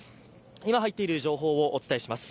今、入っている情報をお伝えします